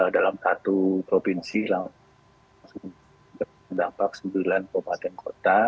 dalam satu provinsi langsung berdampak sembilan kabupaten kota